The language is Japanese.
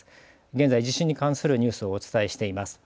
現在、地震に関するニュースをお伝えしています。